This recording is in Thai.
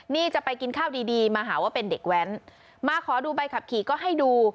นี่จะไปกินข้าวดีดีมาหาว่าเป็นเด็กแว้นมาขอดูใบขับขี่ก็ให้ดู